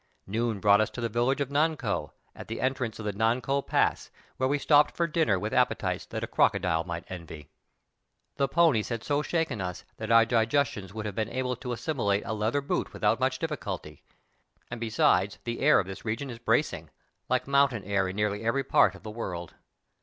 Noon brought us to the village of Nankow, at the entrance of the Nan kow Pass, where we stopped for dinner with appetites that a crocodile might envy. The THE GREAT WALL OE CHINA. 187 ponies had so shaken us that our digestions would have been able to assimilate a leather boot without much difficulty, and besides the air of this region is bracing, like mountain air in nearly every part of the world.